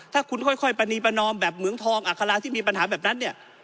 ถ้าคุณค่อยปรณีประนอมแบบเหมืองทองอัคราที่มีปัญหาแบบนั้นเนี่ย